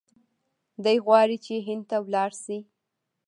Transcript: دی غواړي چې هند ته ولاړ شي.